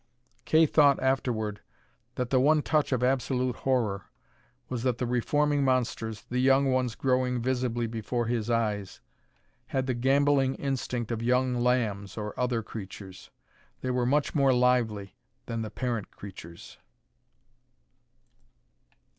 Kay thought afterward that the one touch of absolute horror was that the reforming monsters, the young ones growing visibly before his eyes, had the gamboling instinct of young lambs or other creatures. They were much more lively than the parent creatures.